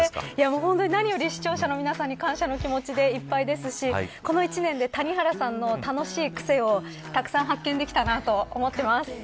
何より視聴者の皆さんに感謝の気持ちでいっぱいですしこの１年で谷原さんの楽しいくせをたくさん発見できたなと思ってます。